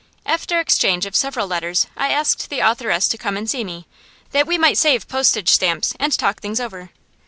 After exchange of several letters I asked the authoress to come and see me, that we might save postage stamps and talk things over.